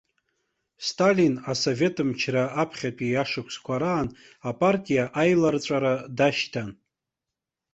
Сталин асовет мчра аԥхьатәи ашықәсқәа раан апартиа аиларҵәара дашьҭан.